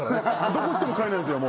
どこ行っても買えないんすよ